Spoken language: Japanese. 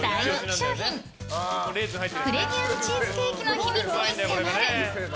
商品プレミアムチーズケーキの秘密に迫る！